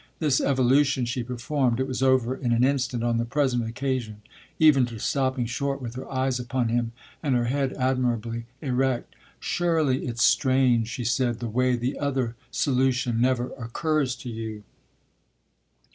This evolution she performed it was over in an instant on the present occasion; even to stopping short with her eyes upon him and her head admirably erect. "Surely it's strange," she said, "the way the other solution never occurs to you."